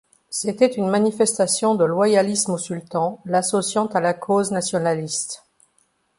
C’est une manifestation de loyalisme au Sultan l’associant à la cause nationaliste.